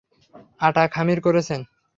আটা খামির করেছেন।